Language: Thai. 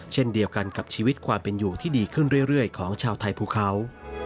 เช่นเดียวกันกับชีวิตความเป็นอยู่ที่ดีขึ้นเรื่อยของชาวไทยภูเขา